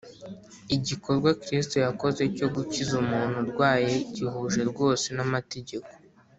. Igikorwa Kristo yakoze cyo gukiza umuntu urwaye gihuje rwose n’amategeko.